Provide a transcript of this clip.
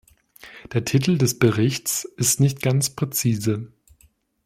Der Titel des Berichts ist nicht ganz präzise.